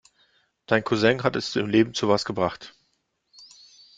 Dein Cousin hat es im Leben zu was gebracht.